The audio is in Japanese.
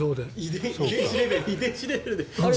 遺伝子レベルで。